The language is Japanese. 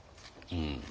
うん。